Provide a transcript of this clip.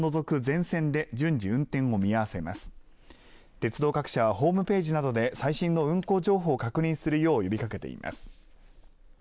鉄道各社はホームページなどで最新の運行情報を確認するよう呼びかけています。